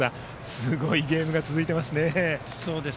すごいゲームが続いていますね。